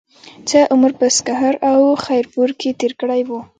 څۀ عمر پۀ سکهر او خېر پور کښې تير کړے وو